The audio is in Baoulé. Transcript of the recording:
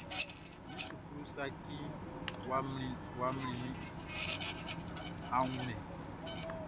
Mi suklu saci ya mlinnin, a wunman?